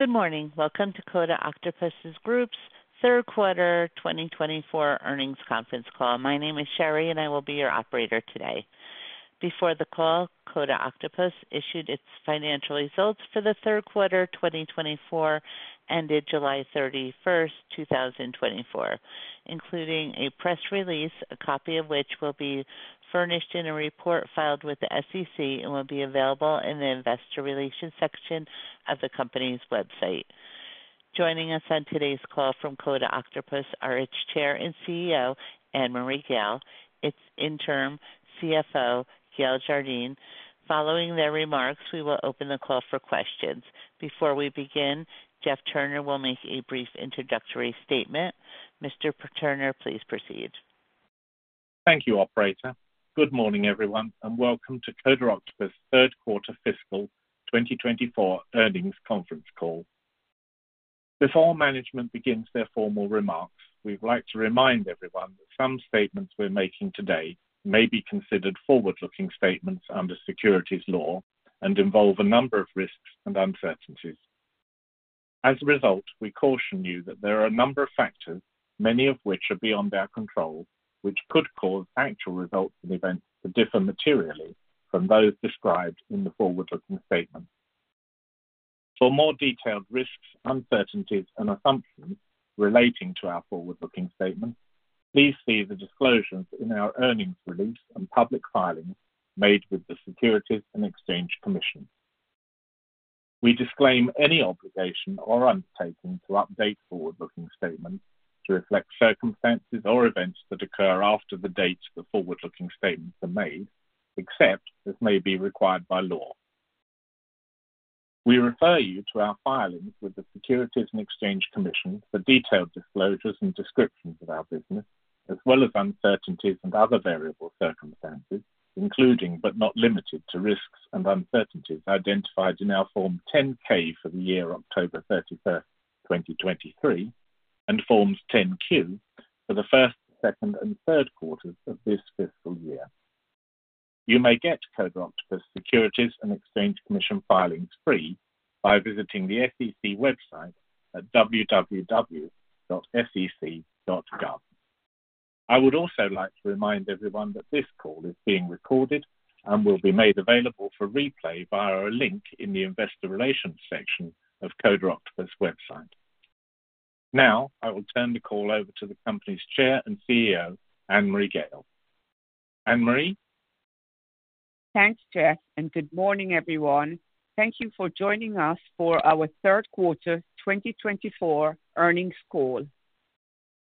Good morning. Welcome to Coda Octopus Group's third quarter twenty twenty-four earnings conference call. My name is Sherry, and I will be your operator today. Before the call, Coda Octopus issued its financial results for the third quarter of twenty twenty-four, ended July thirty-first, two thousand and twenty-four, including a press release, a copy of which will be furnished in a report filed with the SEC and will be available in the investor relations section of the company's website. Joining us on today's call from Coda Octopus are its Chair and CEO, Annmarie Gayle, its interim CFO, Gayle Jardine. Following their remarks, we will open the call for questions. Before we begin, Jeff Turner will make a brief introductory statement. Mr. Turner, please proceed. Thank you, operator. Good morning, everyone, and welcome to Coda Octopus' third quarter fiscal 2024 earnings conference call. Before management begins their formal remarks, we'd like to remind everyone that some statements we're making today may be considered forward-looking statements under securities law and involve a number of risks and uncertainties. As a result, we caution you that there are a number of factors, many of which are beyond our control, which could cause actual results and events to differ materially from those described in the forward-looking statement. For more detailed risks, uncertainties, and assumptions relating to our forward-looking statement, please see the disclosures in our earnings release and public filings made with the Securities and Exchange Commission. We disclaim any obligation or undertaking to update forward-looking statements to reflect circumstances or events that occur after the date the forward-looking statements are made, except as may be required by law. We refer you to our filings with the Securities and Exchange Commission for detailed disclosures and descriptions of our business, as well as uncertainties and other variable circumstances, including but not limited to, risks and uncertainties identified in our Form 10-K for the year October thirty-first, twenty twenty-three, and Forms 10-Q for the first, second, and third quarters of this fiscal year. You may get Coda Octopus' Securities and Exchange Commission filings free by visiting the SEC website at www.sec.gov. I would also like to remind everyone that this call is being recorded and will be made available for replay via a link in the investor relations section of Coda Octopus' website. Now, I will turn the call over to the company's Chair and CEO, Annmarie Gayle. Annmarie? Thanks, Jeff, and good morning, everyone. Thank you for joining us for our third quarter twenty twenty-four earnings call.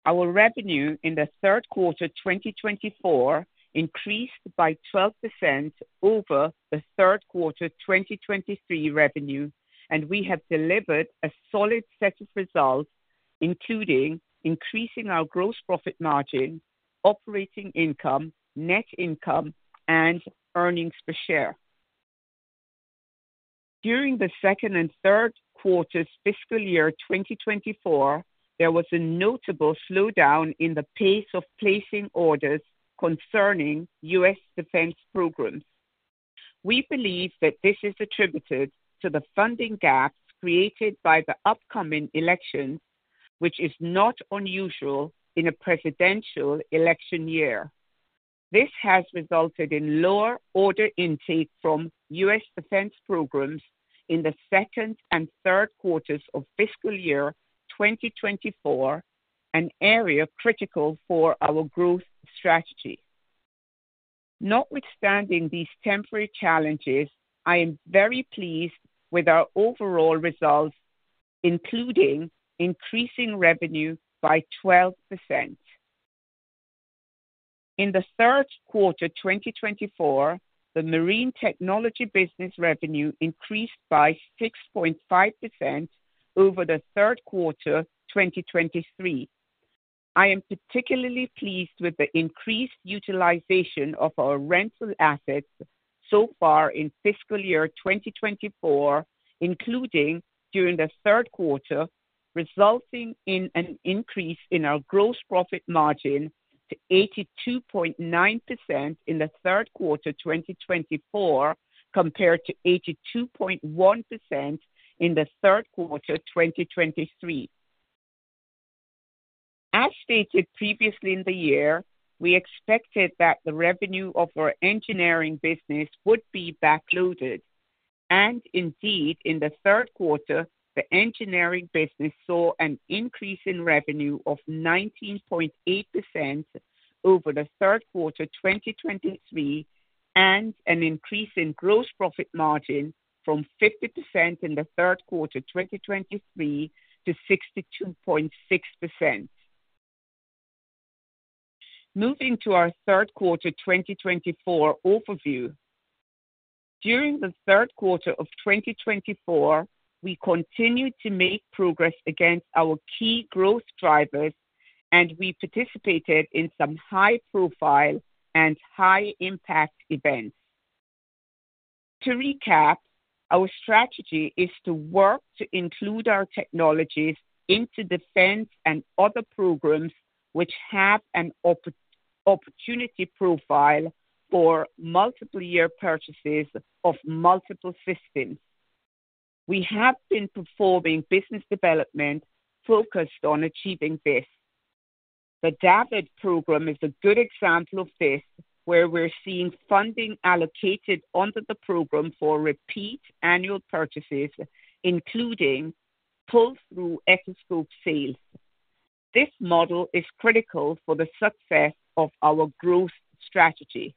Our revenue in the third quarter, twenty twenty-four increased by 12% over the third quarter, twenty twenty-three revenue, and we have delivered a solid set of results, including increasing our gross profit margin, operating income, net income, and earnings per share. During the second and third quarters' fiscal year twenty twenty-four, there was a notable slowdown in the pace of placing orders concerning U.S. defense programs. We believe that this is attributed to the funding gaps created by the upcoming election, which is not unusual in a presidential election year. This has resulted in lower order intake from U.S. defense programs in the second and third quarters of fiscal year twenty twenty-four, an area critical for our growth strategy. Notwithstanding these temporary challenges, I am very pleased with our overall results, including increasing revenue by 12%. In the third quarter, 2024, the marine technology business revenue increased by 6.5% over the third quarter, 2023. I am particularly pleased with the increased utilization of our rental assets so far in fiscal year 2024, including during the third quarter, resulting in an increase in our gross profit margin to 82.9% in the third quarter, 2024, compared to 82.1% in the third quarter, 2023. As stated previously in the year, we expected that the revenue of our engineering business would be backloaded, and indeed, in the third quarter, the engineering business saw an increase in revenue of 19.8% over the third quarter, 2023, and an increase in gross profit margin from 50% in the third quarter, 2023, to 62.6%. Moving to our third quarter, 2024 overview. During the third quarter of 2024, we continued to make progress against our key growth drivers, and we participated in some high-profile and high-impact events. To recap, our strategy is to work to include our technologies into defense and other programs which have an opportunity profile for multiple year purchases of multiple systems. We have been performing business development focused on achieving this. The DAVD program is a good example of this, where we're seeing funding allocated under the program for repeat annual purchases, including pull-through Echoscope sales. This model is critical for the success of our growth strategy.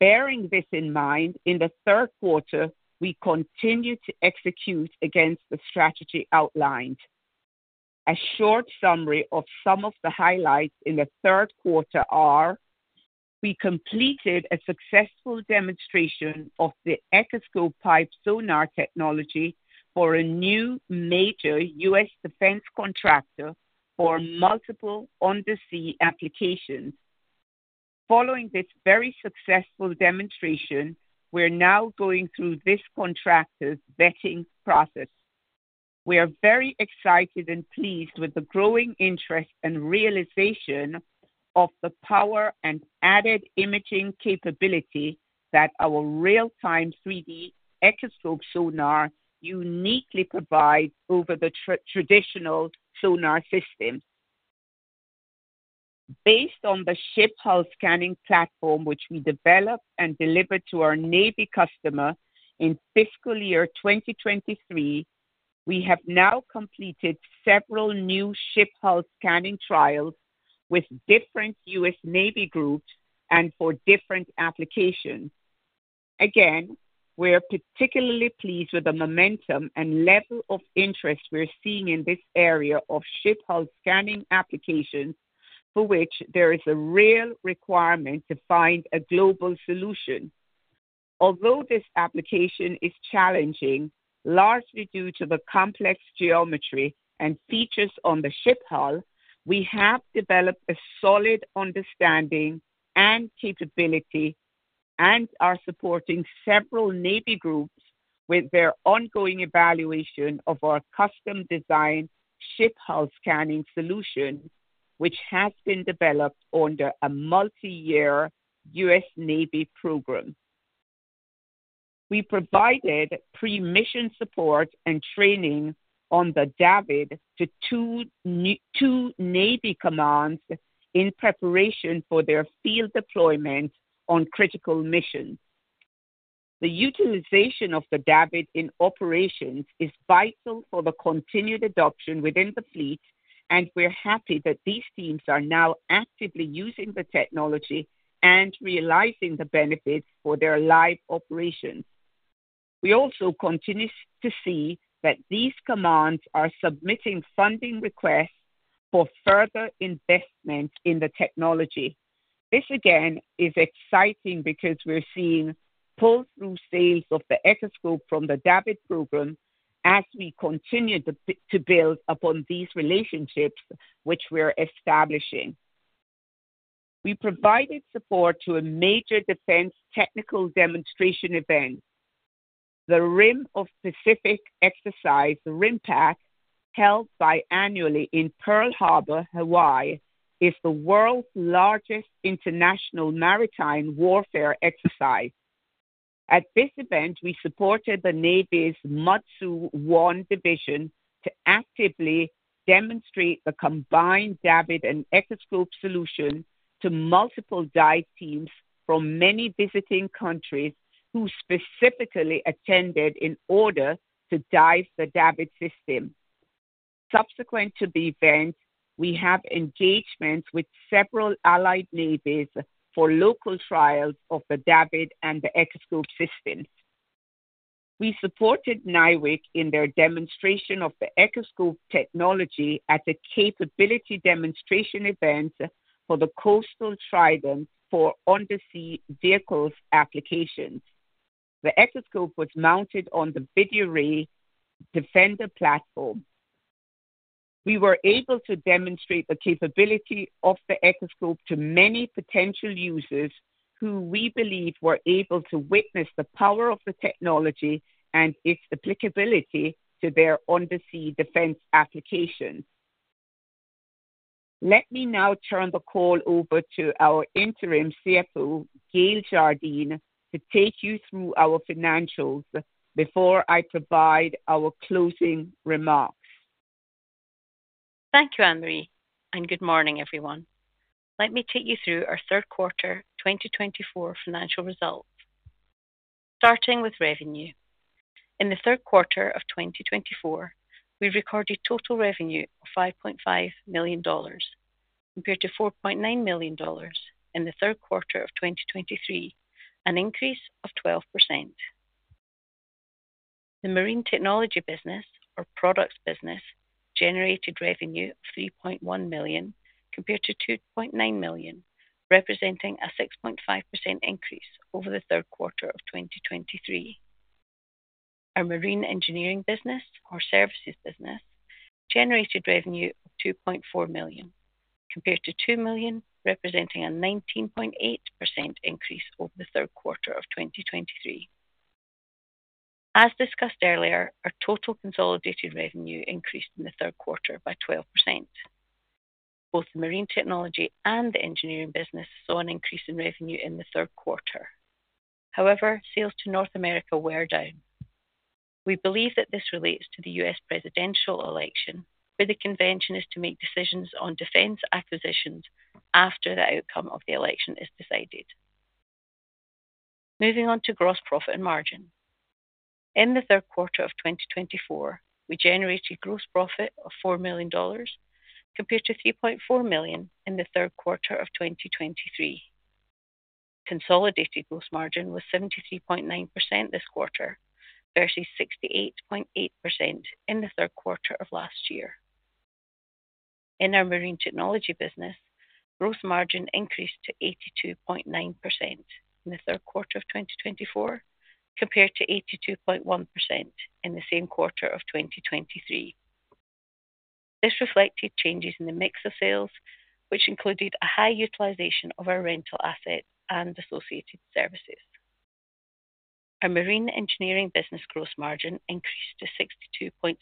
Bearing this in mind, in the third quarter, we continued to execute against the strategy outlined. A short summary of some of the highlights in the third quarter are: We completed a successful demonstration of the Echoscope PIPE sonar technology for a new major U.S. defense contractor for multiple undersea applications. Following this very successful demonstration, we're now going through this contractor's vetting process. We are very excited and pleased with the growing interest and realization of the power and added imaging capability that our real-time 3D Echoscope sonar uniquely provides over the traditional sonar system. Based on the ship hull scanning platform, which we developed and delivered to our Navy customer in fiscal year 2023, we have now completed several new ship hull scanning trials with different U.S. Navy groups and for different applications. Again, we are particularly pleased with the momentum and level of interest we're seeing in this area of ship hull scanning applications, for which there is a real requirement to find a global solution. Although this application is challenging, largely due to the complex geometry and features on the ship hull, we have developed a solid understanding and capability and are supporting several Navy groups with their ongoing evaluation of our custom-designed ship hull scanning solution, which has been developed under a multi-year U.S. Navy program. We provided pre-mission support and training on the DAVD to two Navy commands in preparation for their field deployment on critical missions. The utilization of the DAVD in operations is vital for the continued adoption within the fleet, and we're happy that these teams are now actively using the technology and realizing the benefits for their live operations. We also continue to see that these commands are submitting funding requests for further investment in the technology. This, again, is exciting because we're seeing pull-through sales of the Echoscope from the DAVD program as we continue to build upon these relationships which we are establishing. We provided support to a major defense technical demonstration event. The Rim of the Pacific exercise, RIMPAC, held biannually in Pearl Harbor, Hawaii, is the world's largest international maritime warfare exercise. At this event, we supported the Navy's MDSU-1 division to actively demonstrate the combined DAVD and Echoscope solution to multiple dive teams from many visiting countries who specifically attended in order to dive the DAVD system. Subsequent to the event, we have engagements with several allied navies for local trials of the DAVD and the Echoscope system. We supported NIWC in their demonstration of the Echoscope technology at the capability demonstration event for the Coastal Trident for undersea vehicles applications. The Echoscope was mounted on the VideoRay Defender platform. We were able to demonstrate the capability of the Echoscope to many potential users who we believe were able to witness the power of the technology and its applicability to their undersea defense applications. Let me now turn the call over to our Interim CFO, Gayle Jardine, to take you through our financials before I provide our closing remarks. Thank you, Annmarie, and good morning, everyone. Let me take you through our third quarter twenty twenty-four financial results. Starting with revenue. In the third quarter of twenty twenty-four, we recorded total revenue of $5.5 million, compared to $4.9 million in the third quarter of twenty twenty-three, an increase of 12%. The marine technology business or products business generated revenue of $3.1 million, compared to $2.9 million, representing a 6.5% increase over the third quarter of twenty twenty-three. Our marine engineering business or services business generated revenue of $2.4 million, compared to $2 million, representing a 19.8% increase over the third quarter of twenty twenty-three. As discussed earlier, our total consolidated revenue increased in the third quarter by 12%. Both the marine technology and the engineering business saw an increase in revenue in the third quarter. However, sales to North America were down. We believe that this relates to the U.S. presidential election, where the convention is to make decisions on defense acquisitions after the outcome of the election is decided. Moving on to gross profit and margin. In the third quarter of twenty twenty-four, we generated gross profit of $4 million, compared to $3.4 million in the third quarter of twenty twenty-three. Consolidated gross margin was 73.9% this quarter, versus 68.8% in the third quarter of last year. In our marine technology business, gross margin increased to 82.9% in the third quarter of twenty twenty-four, compared to 82.1% in the same quarter of twenty twenty-three. This reflected changes in the mix of sales, which included a high utilization of our rental assets and associated services. Our marine engineering business gross margin increased to 62.6%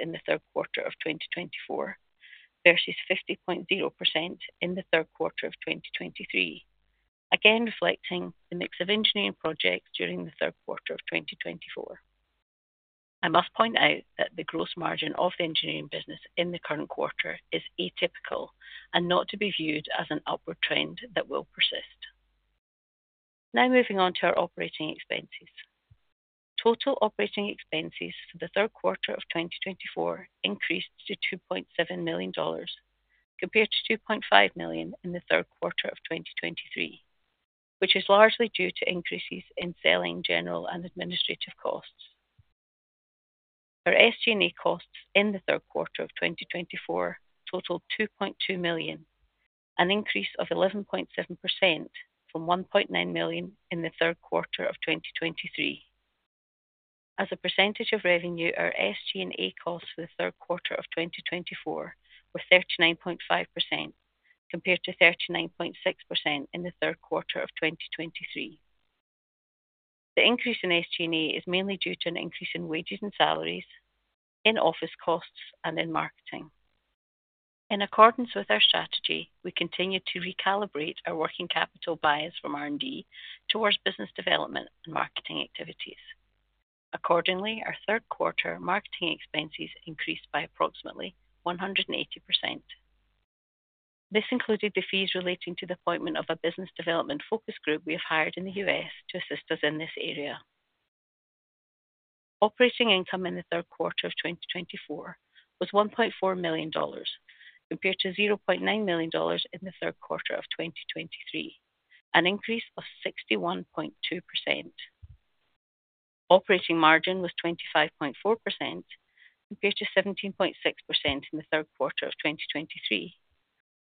in the third quarter of 2024, versus 50.0% in the third quarter of 2023. Again, reflecting the mix of engineering projects during the third quarter of 2024. I must point out that the gross margin of the engineering business in the current quarter is atypical and not to be viewed as an upward trend that will persist. Now, moving on to our operating expenses. Total operating expenses for the third quarter of 2024 increased to $2.7 million, compared to $2.5 million in the third quarter of 2023, which is largely due to increases in selling, general, and administrative costs. Our SG&A costs in the third quarter of 2024 totaled $2.2 million, an increase of 11.7% from $1.9 million in the third quarter of 2023. As a percentage of revenue, our SG&A costs for the third quarter of 2024 were 39.5%, compared to 39.6% in the third quarter of 2023. The increase in SG&A is mainly due to an increase in wages and salaries, in-office costs, and in marketing. In accordance with our strategy, we continued to recalibrate our working capital bias from R&D towards business development and marketing activities. Accordingly, our third quarter marketing expenses increased by approximately 180%. This included the fees relating to the appointment of a business development focus group we have hired in the U.S. to assist us in this area. Operating income in the third quarter of 2024 was $1.4 million, compared to $0.9 million in the third quarter of 2023, an increase of 61.2%. Operating margin was 25.4%, compared to 17.6% in the third quarter of 2023,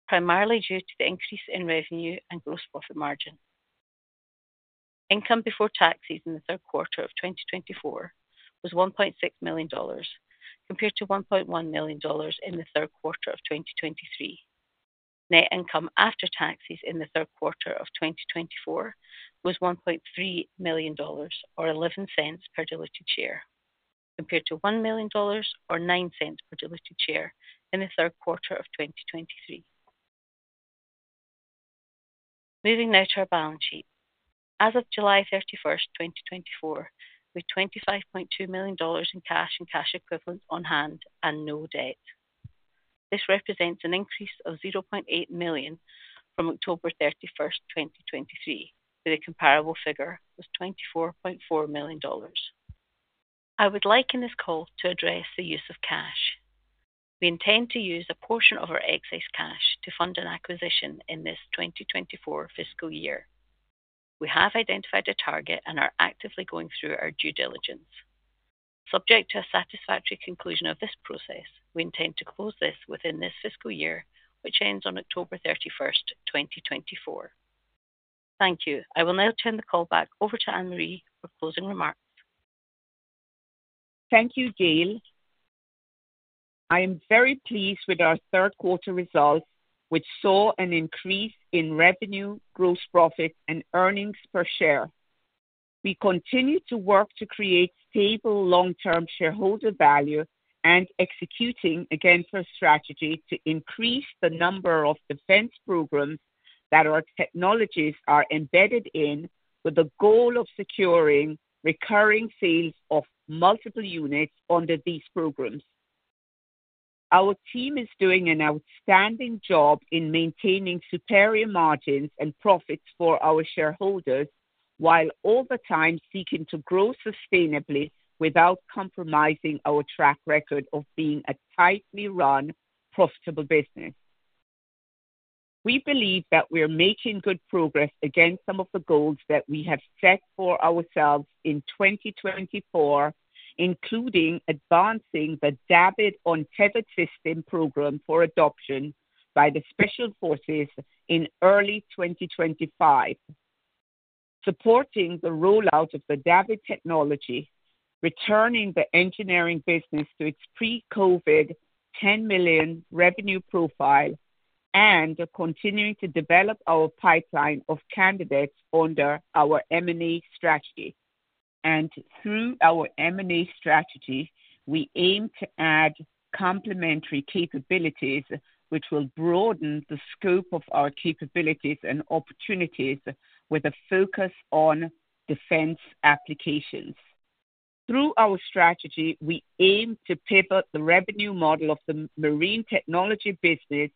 primarily due to the increase in revenue and gross profit margin. Income before taxes in the third quarter of 2024 was $1.6 million, compared to $1.1 million in the third quarter of 2023. Net income after taxes in the third quarter of 2024 was $1.3 million, or $0.11 per diluted share, compared to $1 million or $0.09 per diluted share in the third quarter of 2023. Moving now to our balance sheet. As of July 31, 2024, we had $25.2 million in cash and cash equivalents on hand and no debt. This represents an increase of $0.8 million from October 31, 2023, where the comparable figure was $24.4 million. I would like in this call to address the use of cash. We intend to use a portion of our excess cash to fund an acquisition in this 2024 fiscal year. We have identified a target and are actively going through our due diligence. Subject to a satisfactory conclusion of this process, we intend to close this within this fiscal year, which ends on October 31, 2024. Thank you. I will now turn the call back over to Annmarie for closing remarks. Thank you, Gayle. I am very pleased with our third quarter results, which saw an increase in revenue, gross profit and earnings per share. We continue to work to create stable, long-term shareholder value and executing against our strategy to increase the number of defense programs that our technologies are embedded in, with the goal of securing recurring sales of multiple units under these programs. Our team is doing an outstanding job in maintaining superior margins and profits for our shareholders, while all the time seeking to grow sustainably without compromising our track record of being a tightly run, profitable business. We believe that we are making good progress against some of the goals that we have set for ourselves in twenty twenty-four, including advancing the DAVD Untethered System program for adoption by the Special Forces in early twenty twenty-five. Supporting the rollout of the DAVD technology, returning the engineering business to its pre-COVID ten million revenue profile... and are continuing to develop our pipeline of candidates under our M&A strategy. And through our M&A strategy, we aim to add complementary capabilities, which will broaden the scope of our capabilities and opportunities with a focus on defense applications. Through our strategy, we aim to pivot the revenue model of the marine technology business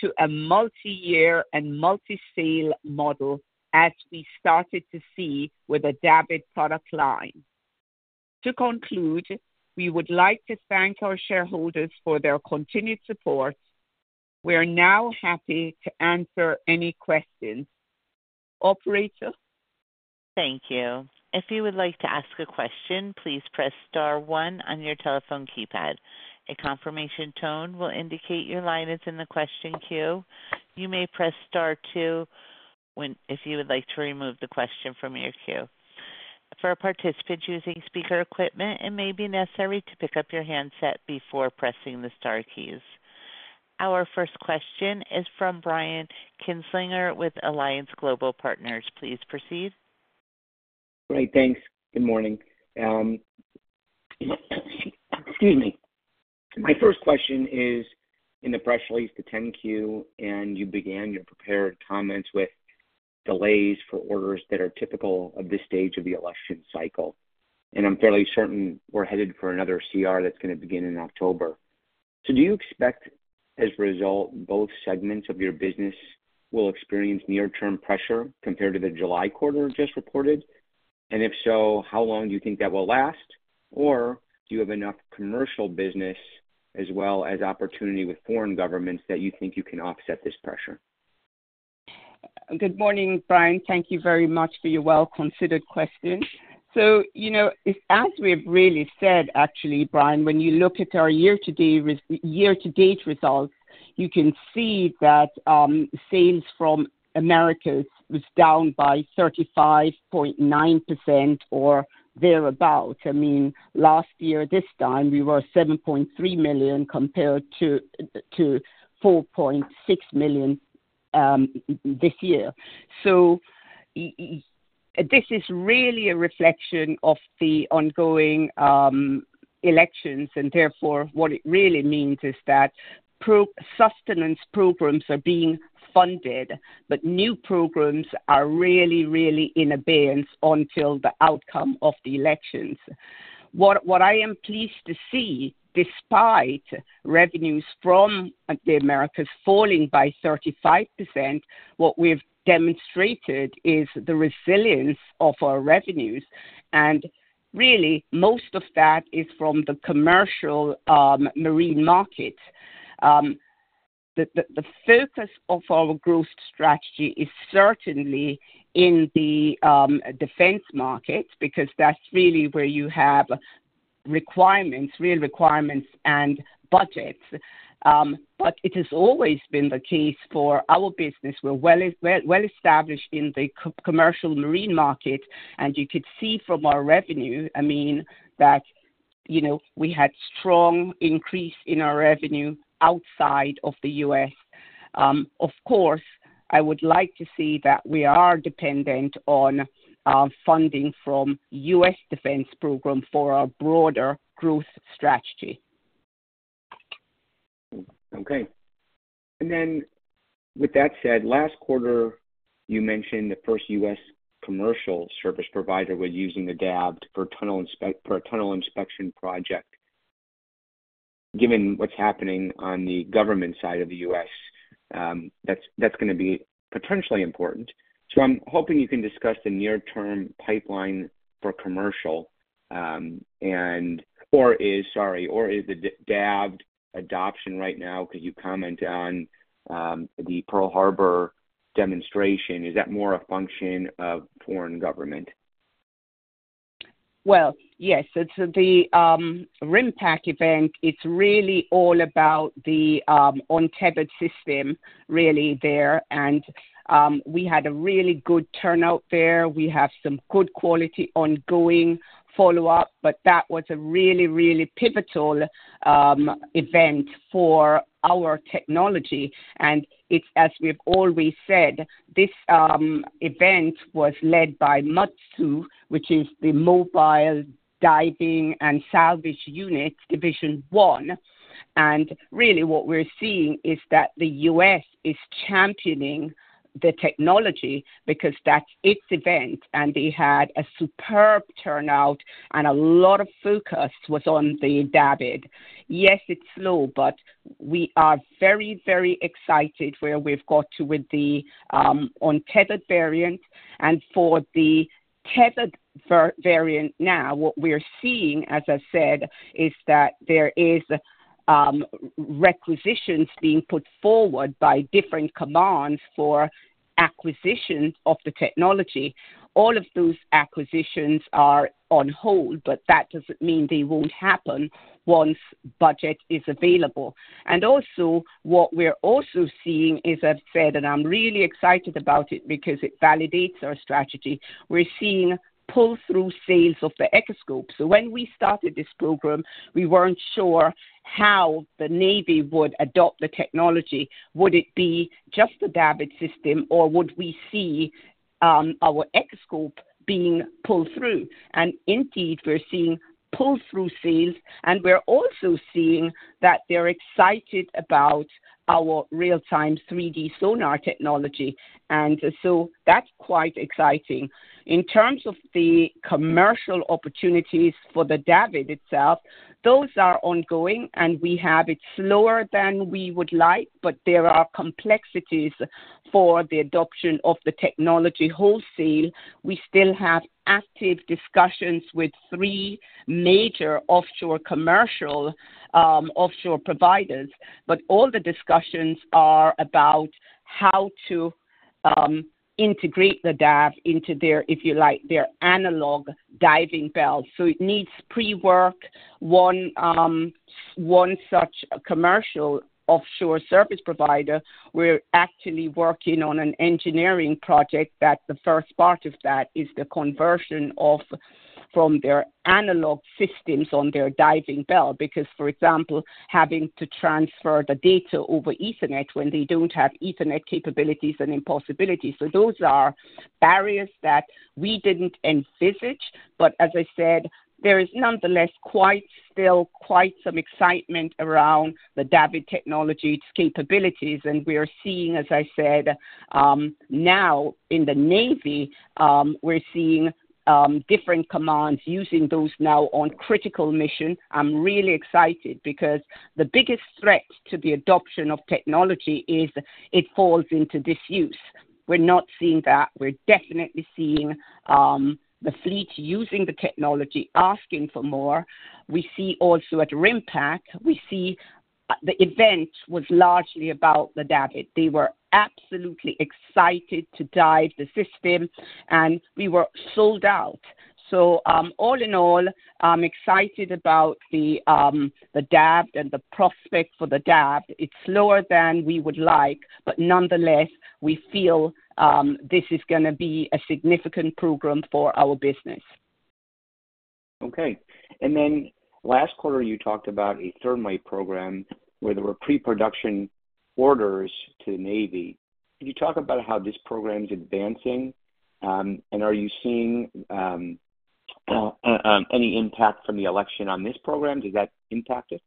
to a multi-year and multi-sale model, as we started to see with the DAVD product line. To conclude, we would like to thank our shareholders for their continued support. We are now happy to answer any questions. Operator? Thank you. If you would like to ask a question, please press star one on your telephone keypad. A confirmation tone will indicate your line is in the question queue. You may press star two if you would like to remove the question from your queue. For participants using speaker equipment, it may be necessary to pick up your handset before pressing the star keys. Our first question is from Brian Kinstlinger with Alliance Global Partners. Please proceed. Great, thanks. Good morning. Excuse me. My first question is, in the press release, the 10-Q, and you began your prepared comments with delays for orders that are typical of this stage of the election cycle. And I'm fairly certain we're headed for another CR that's gonna begin in October. So do you expect, as a result, both segments of your business will experience near-term pressure compared to the July quarter just reported? And if so, how long do you think that will last? Or do you have enough commercial business as well as opportunity with foreign governments that you think you can offset this pressure? Good morning, Brian. Thank you very much for your well-considered question. So, you know, as we've really said, actually, Brian, when you look at our year-to-date results, you can see that sales from Americas was down by 35.9% or thereabout. I mean, last year, this time, we were $7.3 million compared to $4.6 million this year. So this is really a reflection of the ongoing elections, and therefore what it really means is that sustenance programs are being funded, but new programs are really, really in abeyance until the outcome of the elections. What I am pleased to see, despite revenues from the Americas falling by 35%, what we've demonstrated is the resilience of our revenues, and really, most of that is from the commercial marine market. The focus of our growth strategy is certainly in the defense market, because that's really where you have requirements, real requirements and budgets. But it has always been the case for our business. We're well-established in the commercial marine market, and you could see from our revenue, I mean, that, you know, we had strong increase in our revenue outside of the U.S. Of course, I would like to see that we are dependent on funding from U.S. Defense program for our broader growth strategy. Okay. And then with that said, last quarter, you mentioned the first U.S. commercial service provider was using the DAVD for a tunnel inspection project. Given what's happening on the government side of the U.S., that's, that's gonna be potentially important. So I'm hoping you can discuss the near-term pipeline for commercial, and or is -- sorry, or is the DAVD adoption right now, could you comment on, the Pearl Harbor demonstration? Is that more a function of foreign government? Yes, it's the RIMPAC event. It's really all about the untethered system really there. And we had a really good turnout there. We have some good quality ongoing follow-up, but that was a really, really pivotal event for our technology. And it's, as we've always said, this event was led by MDSU, which is the Mobile Diving and Salvage Unit, division one. And really what we're seeing is that the U.S. is championing the technology because that's its event, and they had a superb turnout and a lot of focus was on the DAVD. Yes, it's slow, but we are very, very excited where we've got to with the untethered variant. And for the tethered variant, now, what we're seeing, as I said, is that there is requisitions being put forward by different commands for acquisition of the technology. All of those acquisitions are on hold, but that doesn't mean they won't happen once budget is available. And also, what we're also seeing is, I've said, and I'm really excited about it because it validates our strategy. We're seeing pull-through sales of the Echoscope. So when we started this program, we weren't sure how the Navy would adopt the technology. Would it be just the DAVD system, or would we see our Echoscope being pulled through? And indeed, we're seeing pull-through sales, and we're also seeing that they're excited about our real-time 3D sonar technology, and so that's quite exciting. In terms of the commercial opportunities for the DAVD itself, those are ongoing, and we have it slower than we would like, but there are complexities for the adoption of the technology wholesale. We still have active discussions with three major offshore commercial offshore providers, but all the discussions are about how to integrate the DAVD into their, if you like, their analog diving bell. So it needs pre-work. One such commercial offshore service provider, we're actually working on an engineering project that the first part of that is the conversion of from their analog systems on their diving bell, because, for example, having to transfer the data over Ethernet when they don't have Ethernet capabilities and impossibilities. So those are barriers that we didn't envisage. But as I said, there is nonetheless quite some excitement around the DAVD technology, its capabilities, and we are seeing, as I said, now in the Navy, we're seeing different commands using those now on critical mission. I'm really excited because the biggest threat to the adoption of technology is it falls into disuse. We're not seeing that. We're definitely seeing the fleet using the technology, asking for more. We see also at RIMPAC, we see the event was largely about the DAVD. They were absolutely excited to dive the system, and we were sold out. So, all in all, I'm excited about the the DAVD and the prospect for the DAVD. It's slower than we would like, but nonetheless, we feel this is gonna be a significant program for our business. Okay. And then last quarter, you talked about a Thermite program where there were pre-production orders to the Navy. Can you talk about how this program is advancing? And are you seeing any impact from the election on this program? Does that impact it?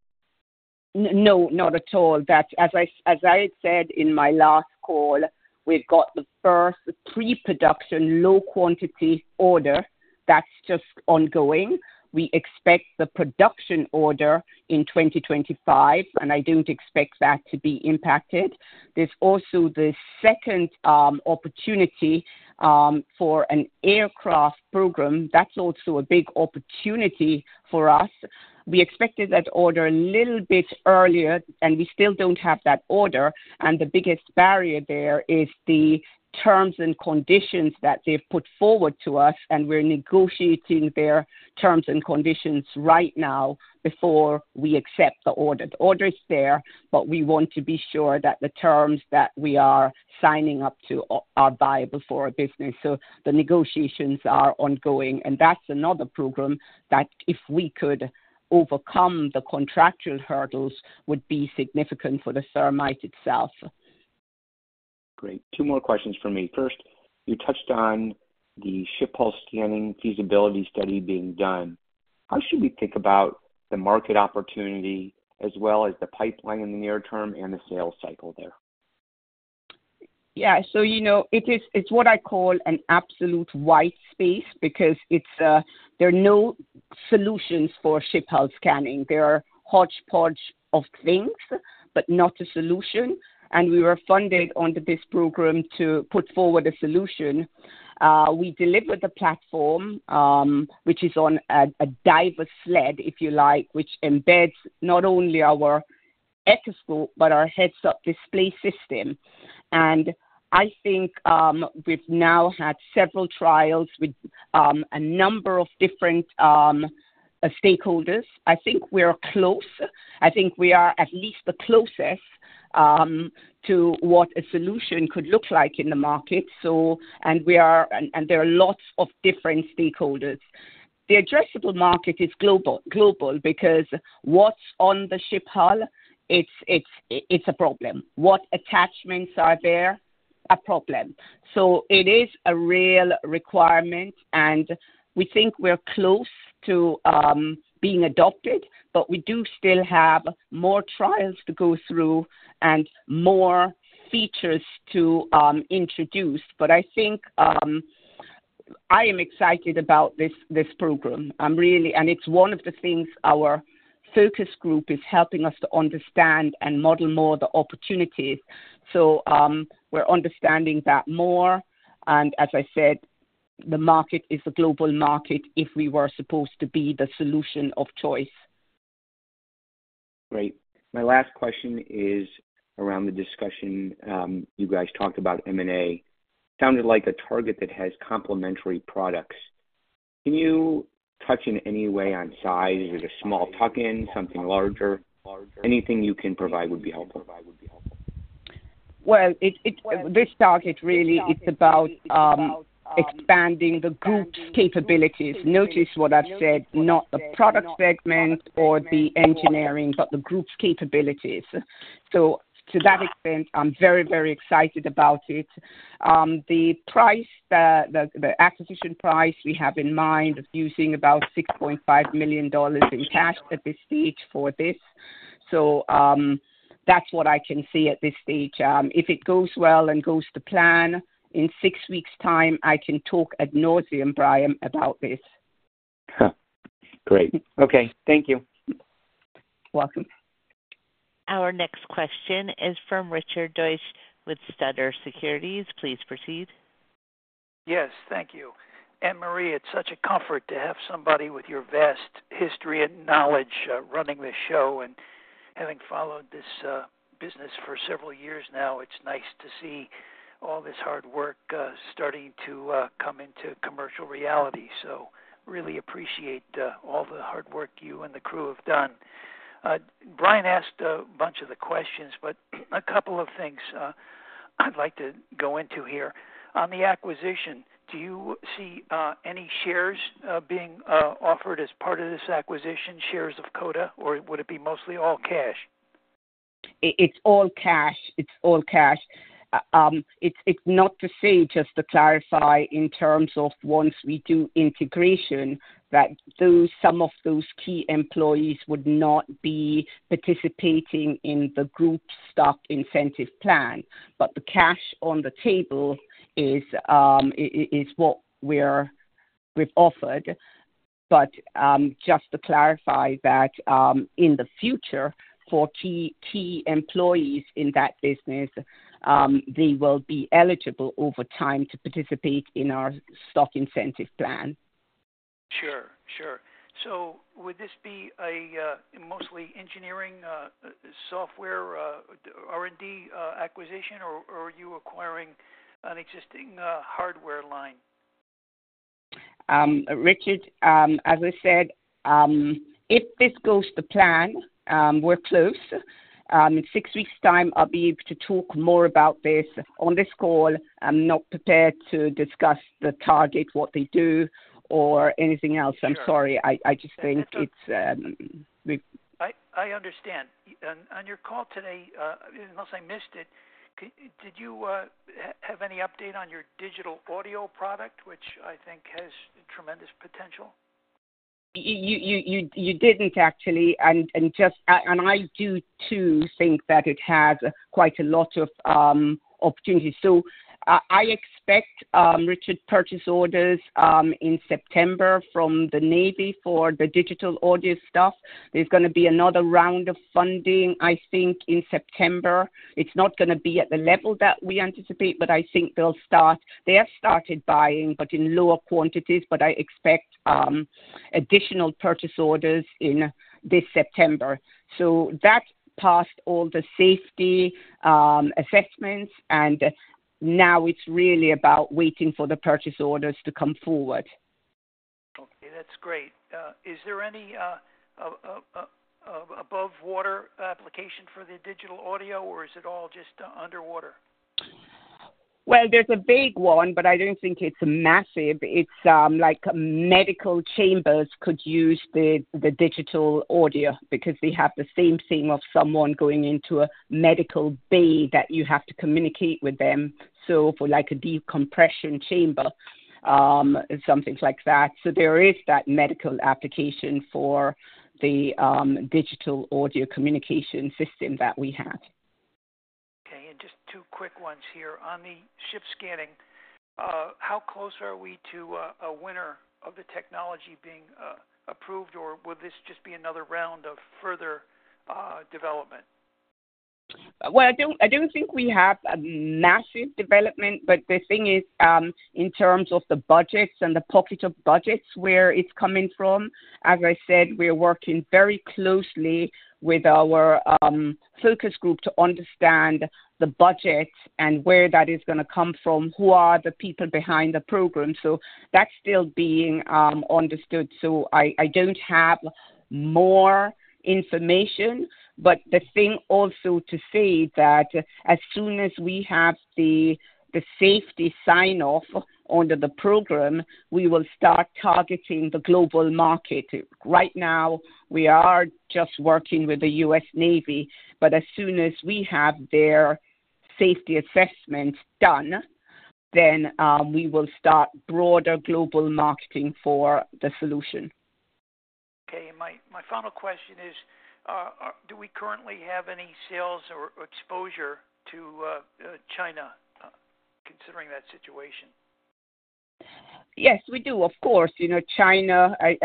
No, not at all. That, as I said in my last call, we've got the first pre-production, low quantity order. That's just ongoing. We expect the production order in 2025, and I don't expect that to be impacted. There's also the second opportunity for an aircraft program. That's also a big opportunity for us. We expected that order a little bit earlier, and we still don't have that order, and the biggest barrier there is the terms and conditions that they've put forward to us, and we're negotiating their terms and conditions right now before we accept the order. The order is there, but we want to be sure that the terms that we are signing up to are viable for our business. So the negotiations are ongoing, and that's another program that, if we could overcome the contractual hurdles, would be significant for the Thermite itself. Great. Two more questions for me. First, you touched on the ship hull scanning feasibility study being done. How should we think about the market opportunity as well as the pipeline in the near term and the sales cycle there? Yeah, so, you know, it is, it's what I call an absolute wide space because it's there are no solutions for ship hull scanning. There are hodgepodge of things, but not a solution. And we were funded under this program to put forward a solution. We delivered the platform, which is on a diver sled, if you like, which embeds not only our Echoscope, but our heads-up display system. And I think we've now had several trials with a number of different stakeholders. I think we're close. I think we are at least the closest to what a solution could look like in the market. So, and we are, and there are lots of different stakeholders. The addressable market is global, global, because what's on the ship hull, it's a problem. What attachments are there? A problem. So it is a real requirement, and we think we're close to being adopted, but we do still have more trials to go through and more features to introduce. But I think I am excited about this program. And it's one of the things our focus group is helping us to understand and model more the opportunities. So we're understanding that more, and as I said, the market is a global market if we were supposed to be the solution of choice.... Great. My last question is around the discussion, you guys talked about M&A. Sounded like a target that has complementary products. Can you touch on any way on size? Is it a small tuck-in, something larger? Anything you can provide would be helpful. This target really is about expanding the group's capabilities. Notice what I've said, not the product segment or the engineering, but the group's capabilities. To that extent, I'm very, very excited about it. The acquisition price we have in mind of using about $6.5 million in cash at this stage for this. That's what I can see at this stage. If it goes well and goes to plan, in six weeks time, I can talk ad nauseam, Brian, about this. Huh, great. Okay. Thank you. Welcome. Our next question is from Richard Deutsch with Sutter Securities. Please proceed. Yes, thank you. Annmarie, it's such a comfort to have somebody with your vast history and knowledge, running this show and having followed this, business for several years now, it's nice to see all this hard work, starting to, come into commercial reality. So really appreciate, all the hard work you and the crew have done. Brian asked a bunch of the questions, but a couple of things, I'd like to go into here. On the acquisition, do you see, any shares, being, offered as part of this acquisition, shares of Coda, or would it be mostly all cash? It's all cash. It's all cash. It's not to say, just to clarify, in terms of once we do integration, that some of those key employees would not be participating in the group stock incentive plan. But the cash on the table is what we've offered. But just to clarify that, in the future, for key employees in that business, they will be eligible over time to participate in our stock incentive plan. Sure, sure. So would this be a mostly engineering software R&D acquisition, or are you acquiring an existing hardware line? Richard, as I said, if this goes to plan, we're close. In six weeks time, I'll be able to talk more about this. On this call, I'm not prepared to discuss the target, what they do, or anything else. Sure. I'm sorry. I just think it's we- I understand. On your call today, unless I missed it, did you have any update on your digital audio product, which I think has tremendous potential? You didn't actually, and I do too think that it has quite a lot of opportunities. So I expect, Richard, purchase orders in September from the Navy for the digital audio stuff. There's gonna be another round of funding, I think, in September. It's not gonna be at the level that we anticipate, but I think they'll start. They have started buying, but in lower quantities, but I expect additional purchase orders in this September. So that passed all the safety assessments, and now it's really about waiting for the purchase orders to come forward. Okay, that's great. Is there any above water application for the digital audio, or is it all just underwater? There's a big one, but I don't think it's massive. It's like medical chambers could use the digital audio because they have the same thing of someone going into a medical bay that you have to communicate with them. So for like a decompression chamber, something like that. So there is that medical application for the digital audio communication system that we have. Okay, and just two quick ones here. On the ship scanning, how close are we to a winner of the technology being approved, or will this just be another round of further development? Well, I don't think we have a massive development, but the thing is, in terms of the budgets and the pocket of budgets, where it's coming from, as I said, we're working very closely with our focus group to understand the budgets and where that is gonna come from, who are the people behind the program. So that's still being understood. So I don't have more information, but the thing also to say that as soon as we have the safety sign-off under the program, we will start targeting the global market. Right now, we are just working with the U.S. Navy, but as soon as we have their safety assessments done, then we will start broader global marketing for the solution. Okay, my final question is, do we currently have any sales or exposure to China, considering that situation?... Yes, we do. Of course, you know, China, I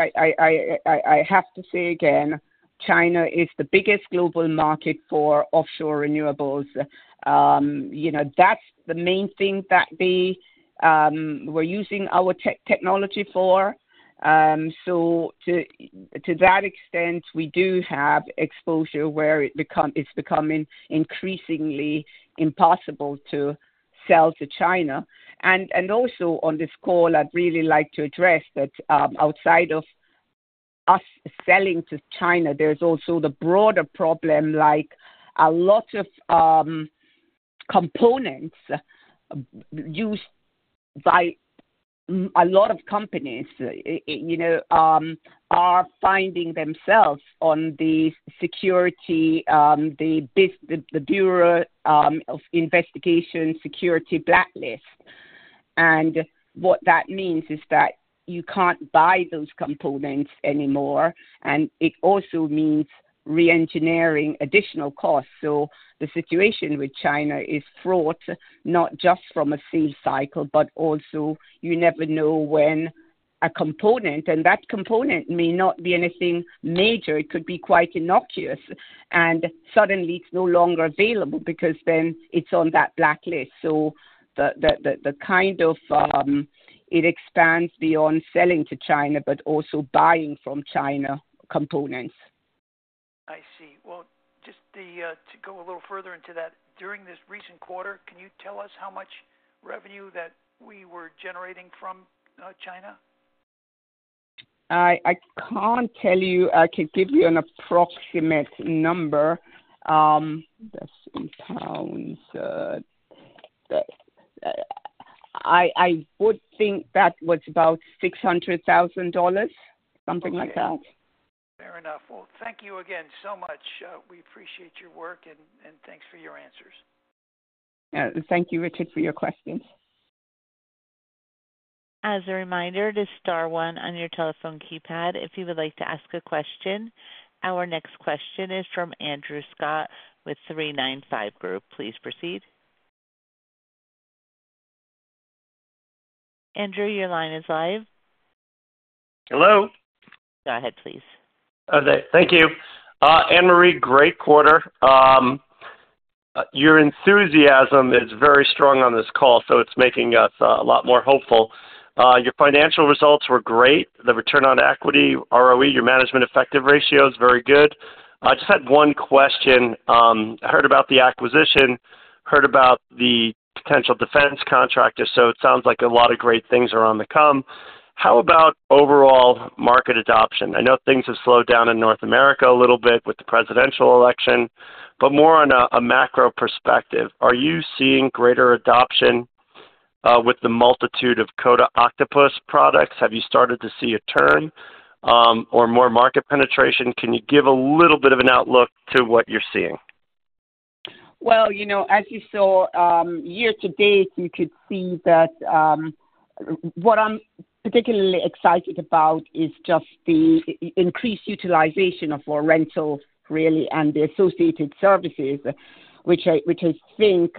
have to say again, China is the biggest global market for offshore renewables. You know, that's the main thing that they were using our technology for. So to that extent, we do have exposure where it's becoming increasingly impossible to sell to China. And also on this call, I'd really like to address that, outside of us selling to China, there's also the broader problem, like a lot of components used by a lot of companies, you know, are finding themselves on the security, the BIS, the Bureau of Industry and Security blacklist. And what that means is that you can't buy those components anymore, and it also means reengineering additional costs. So the situation with China is fraught, not just from a sales cycle, but also you never know when a component, and that component may not be anything major. It could be quite innocuous, and suddenly it's no longer available because then it's on that blacklist. So the kind of, it expands beyond selling to China, but also buying from China components. I see. Well, just to go a little further into that, during this recent quarter, can you tell us how much revenue that we were generating from China? I can't tell you. I can give you an approximate number. That's in pounds. I would think that was about $600,000, something like that. Fair enough. Well, thank you again so much. We appreciate your work and thanks for your answers. Thank you, Richard, for your questions. As a reminder, to star one on your telephone keypad, if you would like to ask a question. Our next question is from Andrew Scott with 395 Group. Please proceed. Andrew, your line is live. Hello. Go ahead, please. Okay. Thank you. Annmarie, great quarter. Your enthusiasm is very strong on this call, so it's making us a lot more hopeful. Your financial results were great. The return on equity, ROE, your management effective ratio is very good. I just had one question. I heard about the acquisition, heard about the potential defense contractor. So it sounds like a lot of great things are on the come. How about overall market adoption? I know things have slowed down in North America a little bit with the presidential election, but more on a macro perspective, are you seeing greater adoption with the multitude of Coda Octopus products? Have you started to see a turn or more market penetration? Can you give a little bit of an outlook to what you're seeing? You know, as you saw, year to date, you could see that, what I'm particularly excited about is just the increased utilization of our rentals, really, and the associated services, which I, which I think,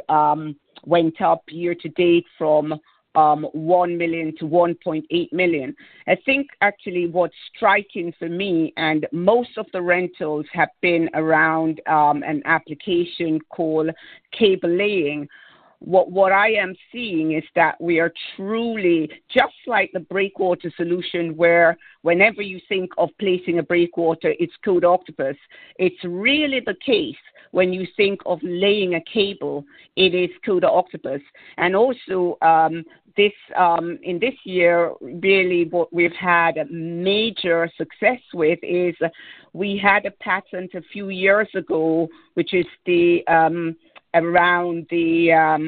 went up year to date from $1 million to $1.8 million. I think actually what's striking for me, and most of the rentals have been around an application called cable laying. What, what I am seeing is that we are truly just like the breakwater solution, where whenever you think of placing a breakwater, it's called Coda Octopus. It's really the case when you think of laying a cable, it is Coda Octopus. And also, in this year, really what we've had major success with is we had a patent a few years ago, which is around the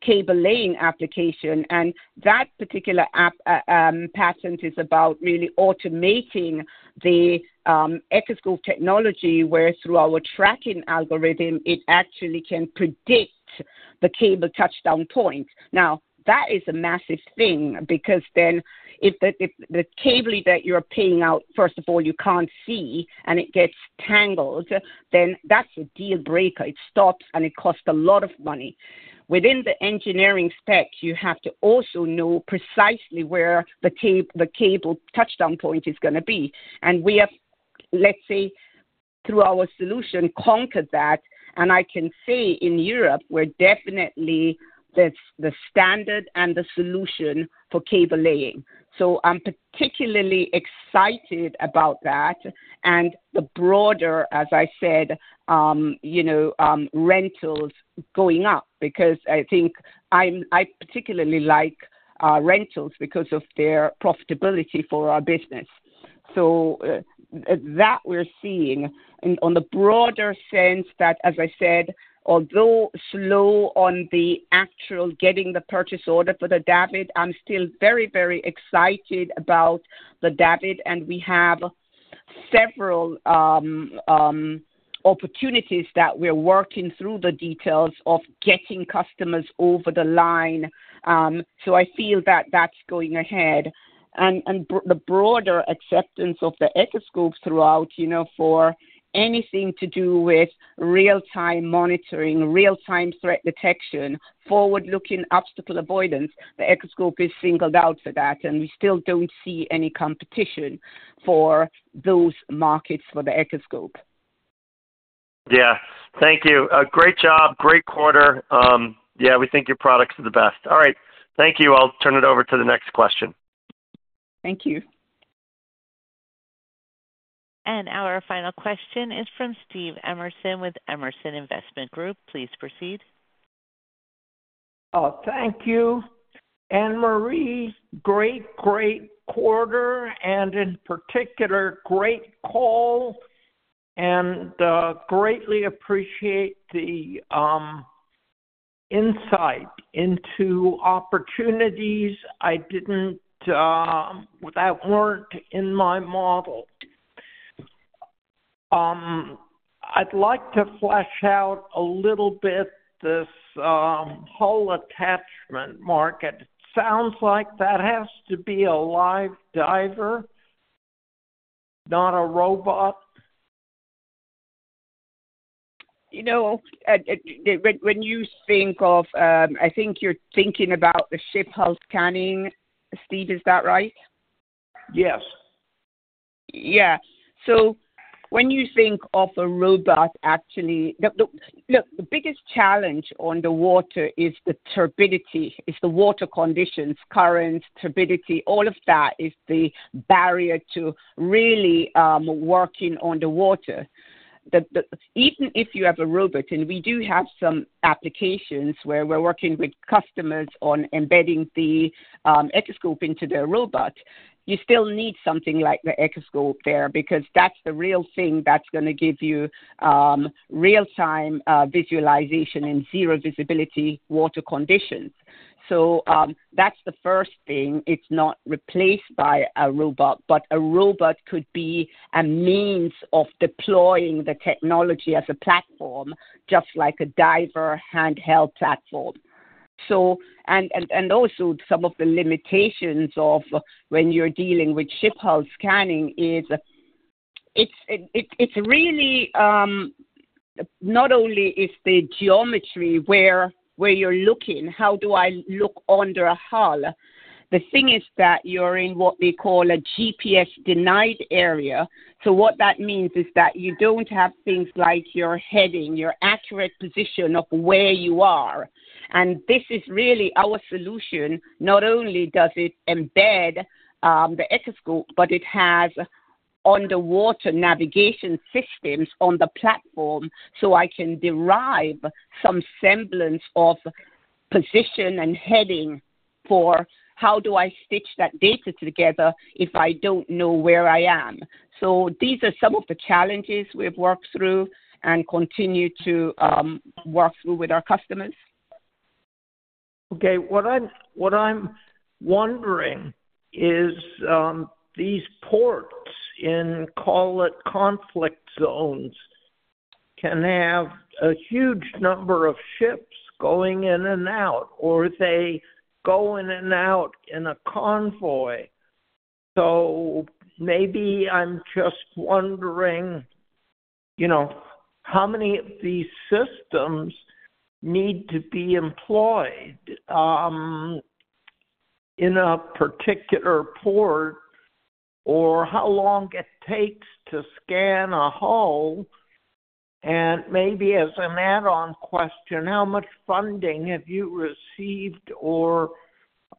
cable laying application, and that particular app patent is about really automating the Echoscope technology, where through our tracking algorithm, it actually can predict the cable touchdown point. Now, that is a massive thing, because then if the cable that you're paying out, first of all, you can't see and it gets tangled, then that's a deal breaker. It stops, and it costs a lot of money. Within the engineering spec, you have to also know precisely where the cable touchdown point is gonna be, and we have, let's say, through our solution, conquered that, and I can say in Europe, we're definitely the standard and the solution for cable laying. So I'm particularly excited about that and the broader, as I said, rentals going up because I think I particularly like rentals because of their profitability for our business. So that we're seeing on the broader sense, although slow on the actual getting the purchase order for the DAVD, I'm still very, very excited about the DAVD, and we have several opportunities that we're working through the details of getting customers over the line. So I feel that that's going ahead. the broader acceptance of the Echoscope throughout, you know, for anything to do with real-time monitoring, real-time threat detection, forward-looking obstacle avoidance. The Echoscope is singled out for that, and we still don't see any competition for those markets for the Echoscope. Yeah. Thank you. A great job, great quarter. Yeah, we think your products are the best. All right, thank you. I'll turn it over to the next question. Thank you. Our final question is from Steve Emerson with Emerson Investment Group. Please proceed. Thank you. Annmarie, great, great quarter, and in particular, great call, and greatly appreciate the insight into opportunities that weren't in my model. I'd like to flesh out a little bit this hull attachment market. Sounds like that has to be a live diver, not a robot. You know, when you think of, I think you're thinking about the Ship Hull Scanning, Steve, is that right? Yes. Yeah. So when you think of a robot, actually. Look, look, look, the biggest challenge on the water is the turbidity, is the water conditions, currents, turbidity, all of that is the barrier to really working on the water. Even if you have a robot, and we do have some applications where we're working with customers on embedding the Echoscope into their robot, you still need something like the Echoscope there, because that's the real thing that's gonna give you real-time visualization and zero visibility water conditions. So, that's the first thing. It's not replaced by a robot, but a robot could be a means of deploying the technology as a platform, just like a diver handheld platform. And also some of the limitations of when you're dealing with ship hull scanning is. It's really not only is the geometry where you're looking, how do I look under a hull? The thing is that you're in what we call a GPS-denied area. So what that means is that you don't have things like your heading, your accurate position of where you are. And this is really our solution, not only does it embed the Echoscope, but it has underwater navigation systems on the platform, so I can derive some semblance of position and heading for, how do I stitch that data together if I don't know where I am? So these are some of the challenges we've worked through and continue to work through with our customers. Okay. What I'm wondering is, these ports in, call it, conflict zones, can have a huge number of ships going in and out, or they go in and out in a convoy. So maybe I'm just wondering, you know, how many of these systems need to be employed in a particular port, or how long it takes to scan a hull? And maybe as an add-on question, how much funding have you received or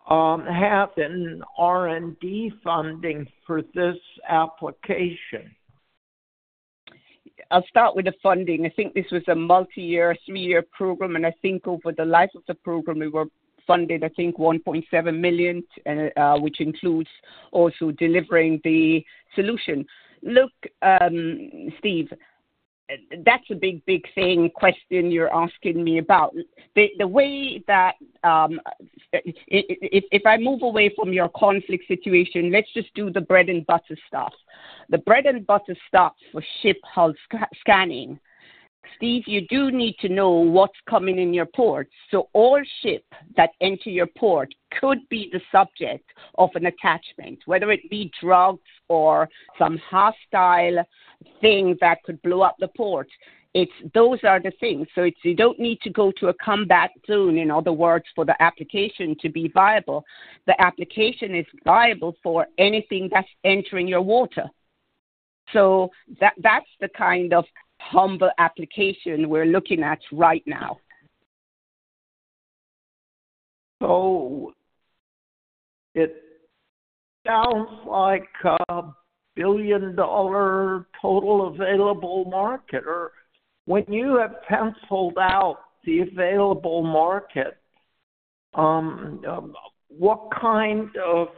have in R&D funding for this application? I'll start with the funding. I think this was a multiyear, three-year program, and I think over the life of the program, we were funded, I think, $1.7 million, which includes also delivering the solution. Look, Steve, that's a big, big thing, question you're asking me about. The way that, if I move away from your conflict situation, let's just do the bread and butter stuff. The bread and butter stuff for ship hull scanning, Steve, you do need to know what's coming in your port. So all ship that enter your port could be the subject of an attachment, whether it be drugs or some hostile thing that could blow up the port. It's those are the things. So it's, you don't need to go to a combat zone, in other words, for the application to be viable. The application is viable for anything that's entering your water. So that, that's the kind of humble application we're looking at right now. So it sounds like a billion-dollar total available market, or when you have penciled out the available market, what kind of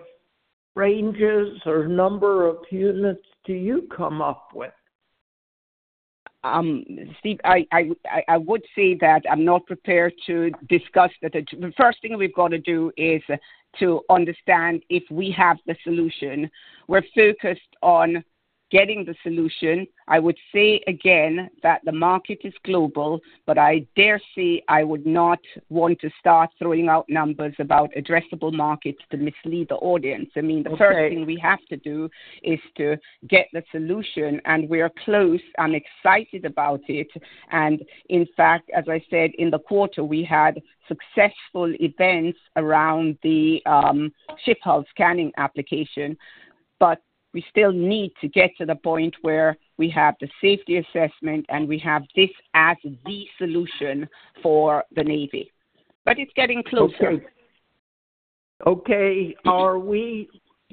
ranges or number of units do you come up with? Steve, I would say that I'm not prepared to discuss. The first thing we've got to do is to understand if we have the solution. We're focused on getting the solution. I would say again that the market is global, but I dare say I would not want to start throwing out numbers about addressable markets to mislead the audience. I mean, the first thing we have to do is to get the solution, and we are close. I'm excited about it. And in fact, as I said in the quarter, we had successful events around the Ship Hull Scanning application. But we still need to get to the point where we have the safety assessment, and we have this as the solution for the Navy, but it's getting closer. Okay.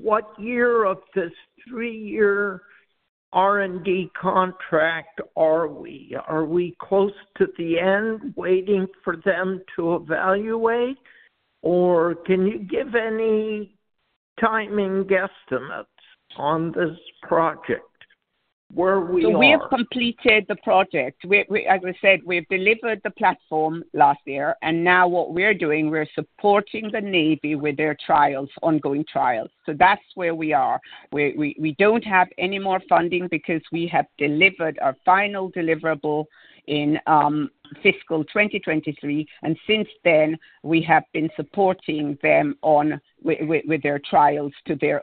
What year of this three-year R&D contract are we? Are we close to the end, waiting for them to evaluate, or can you give any timing guesstimates on this project, where we are? So we have completed the project. We, as I said, we've delivered the platform last year, and now what we're doing, we're supporting the Navy with their trials, ongoing trials. So that's where we are. We don't have any more funding because we have delivered our final deliverable in fiscal 2023, and since then, we have been supporting them with their trials to their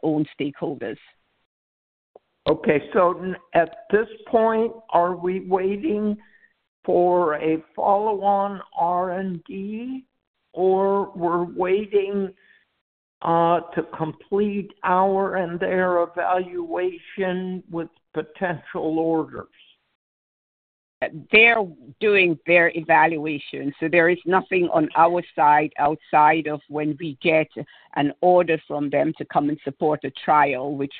own stakeholders. Okay. So at this point, are we waiting for a follow-on R&D, or we're waiting to complete our and their evaluation with potential orders? They're doing their evaluation, so there is nothing on our side outside of when we get an order from them to come and support a trial, which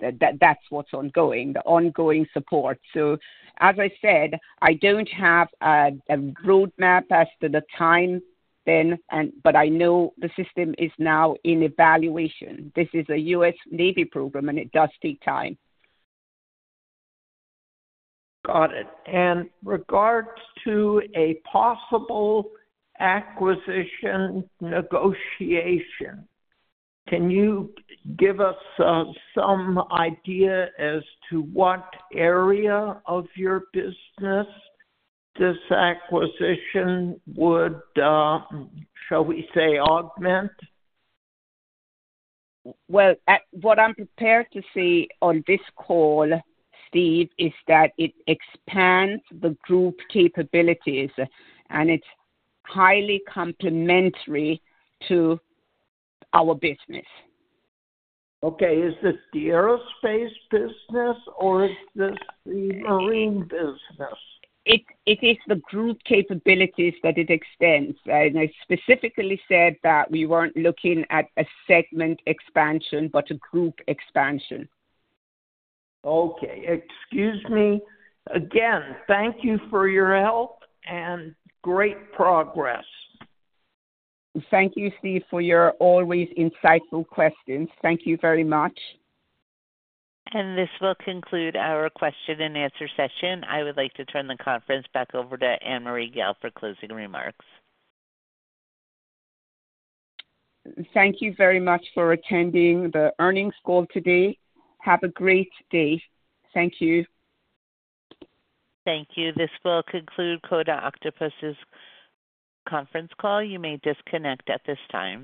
that's what's ongoing, the ongoing support. So as I said, I don't have a roadmap as to the time then, but I know the system is now in evaluation. This is a US Navy program, and it does take time. Got it. And regards to a possible acquisition negotiation, can you give us some idea as to what area of your business this acquisition would, shall we say, augment? Well, what I'm prepared to say on this call, Steve, is that it expands the group capabilities, and it's highly complementary to our business. Okay. Is this the aerospace business or is this the marine business? It is the group capabilities that it extends, and I specifically said that we weren't looking at a segment expansion, but a group expansion. Okay. Excuse me. Again, thank you for your help and great progress. Thank you, Steve, for your always insightful questions. Thank you very much. This will conclude our question and answer session. I would like to turn the conference back over to Annmarie Gayle for closing remarks. Thank you very much for attending the earnings call today. Have a great day. Thank you. Thank you. This will conclude Coda Octopus's conference call. You may disconnect at this time.